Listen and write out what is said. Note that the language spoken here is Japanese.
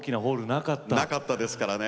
なかったですからね。